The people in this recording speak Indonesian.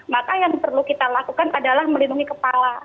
maka yang perlu kita lakukan adalah melindungi kepala